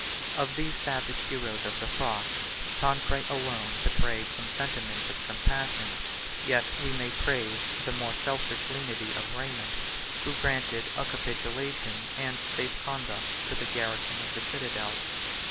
Of these savage heroes of the cross, Tancred alone betrayed some sentiments of compassion; yet we may praise the more selfish lenity of Raymond, who granted a capitulation and safe conduct to the garrison of the citadel.